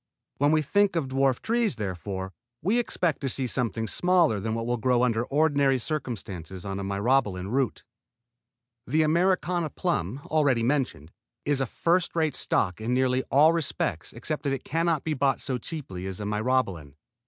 When we think of dwarf trees, therefore, we expect to see something smaller than what will grow under ordinary circumstances on a Myrobalan root. The Americana plum, already mentioned, is a first rate stock in nearly all respects except that it can not be bought so cheaply as the Myrobalan.